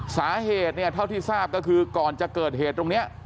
สาเหตุเนี่ยเท่าที่ทราบก็คือก่อนจะเกิดเหตุตรงนี้